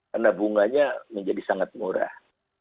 karena bunganya menjadi sangat murah